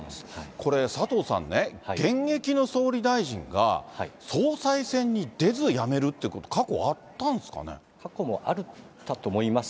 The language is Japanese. これ、佐藤さんね、現役の総理大臣が総裁選に出ず辞めるってこと、過去あったんです過去もあったと思います。